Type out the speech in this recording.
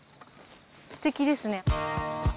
すてきですね。